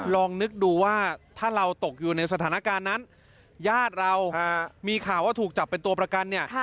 ลองนึกดูว่าถ้าเราตกอยู่ในสถานการณ์นั้นญาติเรามีข่าวว่าถูกจับเป็นตัวประกันเนี่ย